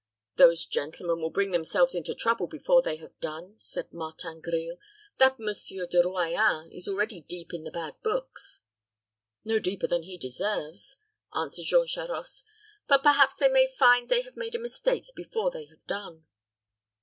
"Those gentlemen will bring themselves into trouble before they have done," said Martin Grille. "That Monsieur De Royans is already deep in the bad books." "No deeper than he deserves," answered Jean Charost. "But perhaps they may find they have made a mistake before they have done."